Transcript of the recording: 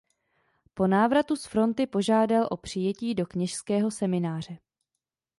Po návratu z fronty požádal o přijetí do kněžského semináře.